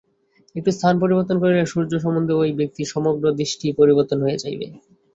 একটু স্থান-পরিবর্তন করিলে সূর্য সম্বন্ধে ঐ ব্যক্তির সমগ্র দৃষ্টি পরিবর্তন হইয়া যাইবে।